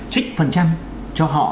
trích phần trăm cho họ